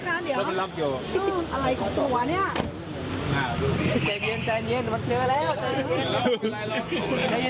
จ่าไม่มี